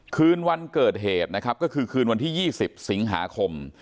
คืนวันเกิดเหตุนะครับก็คือคืนวันที่๒๐สิงหาคม